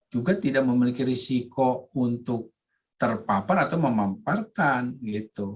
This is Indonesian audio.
juga tidak memiliki risiko untuk terpapar atau memamparkan gitu